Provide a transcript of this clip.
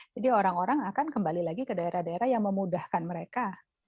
jadi orang orang akan kembali lagi ke daerah daerah yang memudahkan mereka